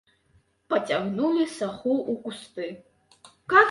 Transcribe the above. Пацягнулі саху ў кусты.